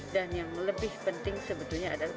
dan yang lebih penting sebetulnya adalah